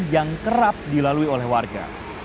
yang kerap dilalui oleh warga